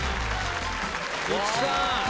市來さん。